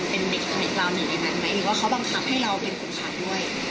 เป็นเด็กเราหนึ่งในนั้นไหมหรือว่าเขาบังคับให้เราเป็นคนขับด้วย